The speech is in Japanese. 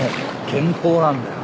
健康なんだよ。